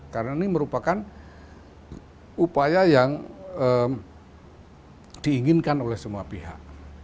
karena ini merupakan upaya yang diinginkan oleh semua pihak